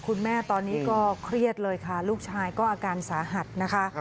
คุณแม่ตอนนี้ก็เครียดเลยค่ะลูกชายก็อาการสาหัสนะคะ